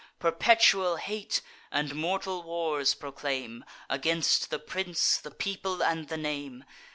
Perpetual hate and mortal wars proclaim, Against the prince, the people, and the name.